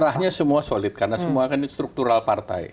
arahnya semua solid karena semua kan ini struktural partai